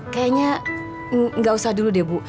kayaknya nggak usah dulu deh bu